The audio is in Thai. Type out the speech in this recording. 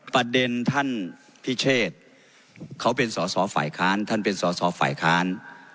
ประเด็นท่านพิเชษเขาเป็นสอสอฝ่ายค้านท่านเป็นสอสอฝ่ายค้าน